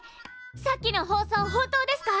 さっきの放送本当ですか！？